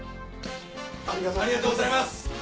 ありがとうございます！